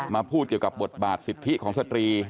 พูดเกี่ยวกับบทบาทสิทธิของสตรี